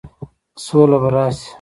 سوله به راشي؟